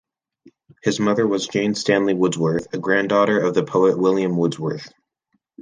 His mother was Jane Stanley Wordsworth, a granddaughter of the poet William Wordsworth.